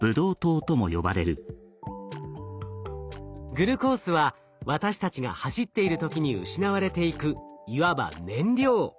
グルコースは私たちが走っている時に失われていくいわば燃料。